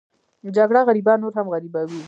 جګړه غریبان نور هم غریبوي